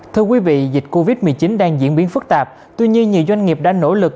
thưa quý vị dịch covid một mươi chín đang diễn biến phức tạp tuy nhiên nhiều doanh nghiệp đã nỗ lực